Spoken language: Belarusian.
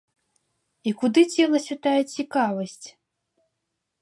І куды дзелася тая цікавасць?!